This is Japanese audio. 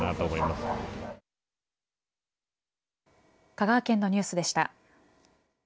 香川県のニュースでした。